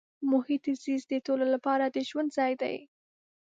محیط زیست د ټولو لپاره د ژوند ځای دی.